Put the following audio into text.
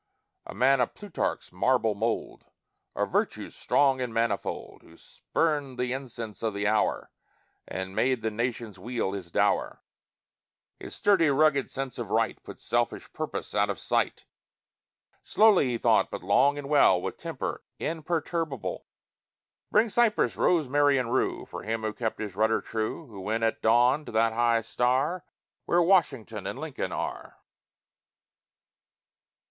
A man of Plutarch's marble mold, Of virtues strong and manifold, Who spurned the incense of the hour, And made the nation's weal his dower. His sturdy, rugged sense of right Put selfish purpose out of sight; Slowly he thought, but long and well, With temper imperturbable. Bring cypress, rosemary and rue For him who kept his rudder true; Who went at dawn to that high star Where Washington and Lincoln are.